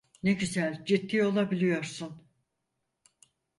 Ne güzel ciddi olabiliyorsun!